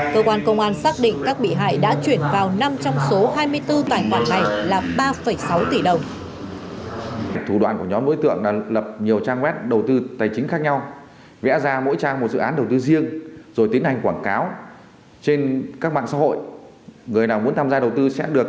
cơ quan công an xác định các bị hại đã chuyển vào năm trong số hai mươi bốn